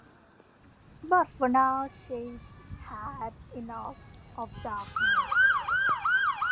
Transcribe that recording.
But for now she'd had enough of darkness.